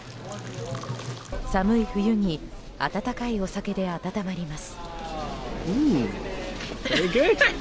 寒い冬に温かいお酒で温まります。